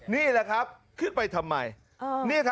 นี่แหละขึ้นไปทำไม